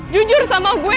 jujur sama gue